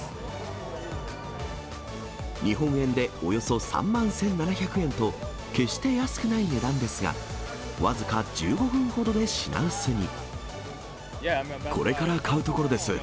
日本円でおよそ３万１７００円と、決して安くない値段ですが、これから買うところです。